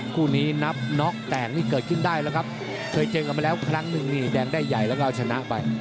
คู่นี้นับน็อกแตกนี่เกิดขึ้นได้แล้วครับเคยเจอกันมาแล้วครั้งหนึ่งนี่แดงได้ใหญ่แล้วก็เอาชนะไป